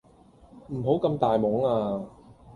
唔好咁大懵呀